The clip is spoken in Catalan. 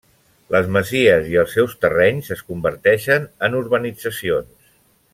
Les masies i els seus terrenys es converteixen en urbanitzacions.